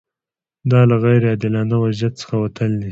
دا له غیر عادلانه وضعیت څخه وتل دي.